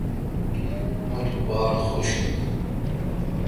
مہ تو باڑ خوش این۔